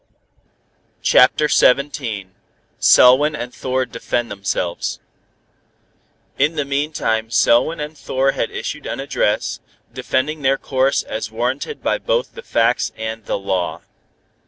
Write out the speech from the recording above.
CHAPTER XVII SELWYN AND THOR DEFEND THEMSELVES In the meantime Selwyn and Thor had issued an address, defending their course as warranted by both the facts and the law.